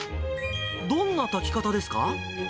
どんな炊き方ですか？